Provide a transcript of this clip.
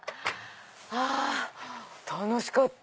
はぁ楽しかった！